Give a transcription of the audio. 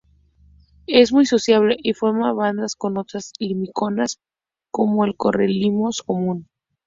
Es muy sociable y forma bandadas con otras limícolas como el correlimos común.